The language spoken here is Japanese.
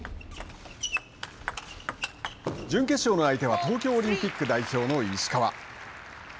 準決勝の相手は東京オリンピック代表の石川。